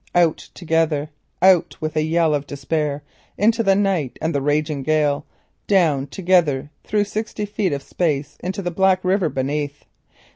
Out together, out with a yell of despair into the night and the raging gale; down together through sixty feet of space into the black river beneath.